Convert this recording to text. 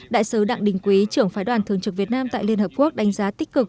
đại sứ đặng đình quý trưởng phái đoàn thường trực việt nam tại liên hợp quốc đánh giá tích cực